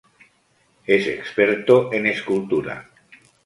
Es experto en escultura.